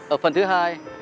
ở phần thứ hai